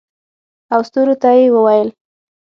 او ستورو ته یې وویل